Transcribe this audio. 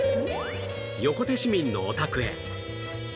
横手市民のお宅へ